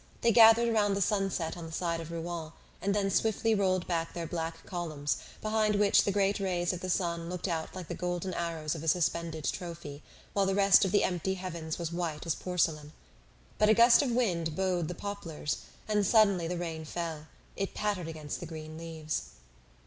They gathered around the sunset on the side of Rouen and then swiftly rolled back their black columns, behind which the great rays of the sun looked out like the golden arrows of a suspended trophy, while the rest of the empty heavens was white as porcelain. But a gust of wind bowed the poplars, and suddenly the rain fell; it pattered against the green leaves.